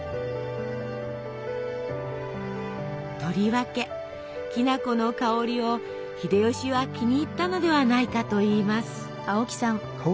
とりわけきな粉の香りを秀吉は気に入ったのではないかといいます。